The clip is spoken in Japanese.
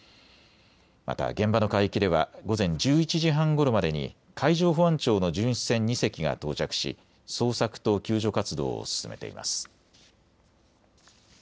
また現場の海域では午前１１時半ごろまでに海上保安庁の巡視船２隻が到着し捜索と救助活動を進めています。